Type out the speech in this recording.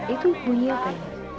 itu bunyi apa ini